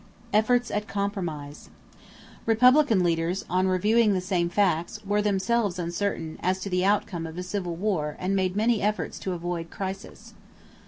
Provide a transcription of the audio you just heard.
=Efforts at Compromise.= Republican leaders, on reviewing the same facts, were themselves uncertain as to the outcome of a civil war and made many efforts to avoid a crisis.